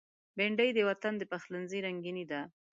بېنډۍ د وطن د پخلنځي رنگیني ده